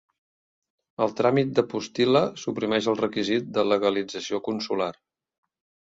El tràmit de postil·la suprimeix el requisit de legalització consular.